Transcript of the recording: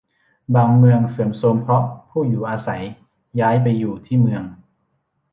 บางเมืองเสื่อมโทรมเพราะผู้อยู่อาศัยย้ายไปอยู่ที่เมือง